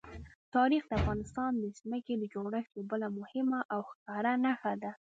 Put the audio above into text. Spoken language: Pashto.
تاریخ د افغانستان د ځمکې د جوړښت یوه بله مهمه او ښکاره نښه ده.